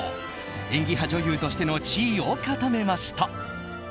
演技派女優としての地位を固めました。